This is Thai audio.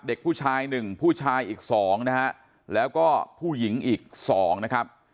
เด็กผู้ชายหนึ่งผู้ชายอีกสองนะฮะแล้วก็ผู้หญิงอีก๒นะครับ